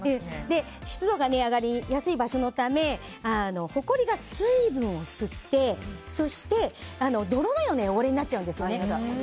湿度が上がりやすい場所のためほこりが水分を吸って泥のような汚れになっちゃうんですね。